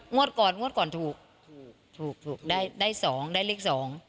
งวดก่อนงวดก่อนถูกถูกถูกได้๒ได้เลข๒